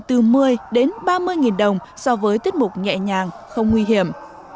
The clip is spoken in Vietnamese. từ một mươi đến ba mươi nghìn đồng so với tiết mục nhẹ nhàng không nguy hiểm